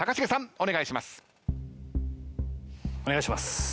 お願いします。